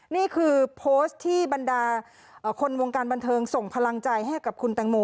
นี่คือโพสต์ที่บรรดาคนวงการบันเทิงส่งพลังใจให้กับคุณแตงโม